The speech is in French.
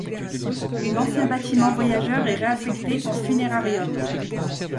L'ancien bâtiment voyageur est ré-affecté en funérarium.